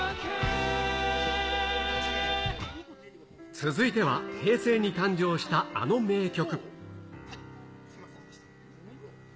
続いては、平成に誕生したあの名曲。